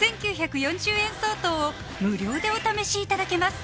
５９４０円相当を無料でお試しいただけます